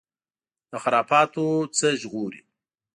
له خرافاتو نه ژغوري